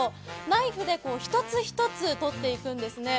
ナイフで一つ一つとっていくんですね。